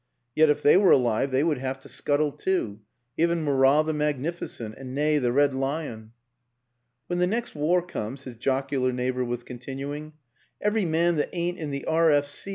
Yet if they were alive they would have to scuttle too even Murat the magnificent, and Ney, the Red Lion. ..." When the next war comes," his jocular neigh bor was continuing, " every man that ain't in the R. F. C.